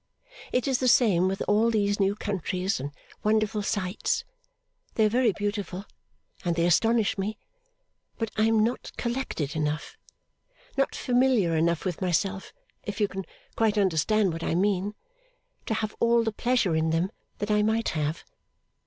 It is the same with all these new countries and wonderful sights. They are very beautiful, and they astonish me, but I am not collected enough not familiar enough with myself, if you can quite understand what I mean to have all the pleasure in them that I might have.